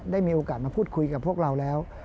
ได้มีโอกาสมาพูดคุยกับพวกเราแล้ว